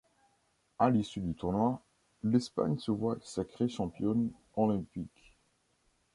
À l'issue du tournoi, l'Espagne se voit sacrée championne olympique.